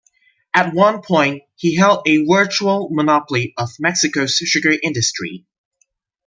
At one point, he held a virtual monopoly of Mexico's sugar industry.